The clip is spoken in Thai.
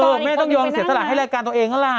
เออไม่ต้องยอมเสียตลาดให้รายการตัวเองล่ะ